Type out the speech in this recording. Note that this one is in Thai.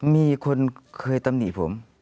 มีคนเคยตำหนิผม